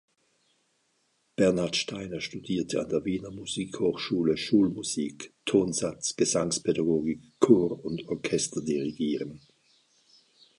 Bernhard Steiner studierte an der Wiener Musikhochschule Schulmusik, Tonsatz, Gesangspädagogik, Chor- und Orchesterdirigieren.